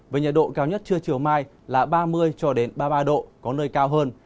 với nhiệt độ cao nhất trưa chiều mai là ba mươi cho đến ba mươi ba độ có nơi cao hơn